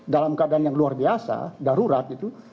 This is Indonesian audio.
dalam keadaan yang luar biasa darurat itu